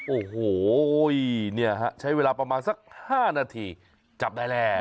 โอ้โหเนี่ยฮะใช้เวลาประมาณสัก๕นาทีจับได้แล้ว